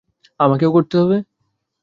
আমাকেও করতে হবে।